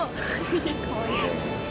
かわいい。